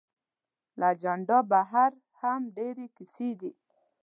له اجنډا بهر هم ډېرې کیسې دي.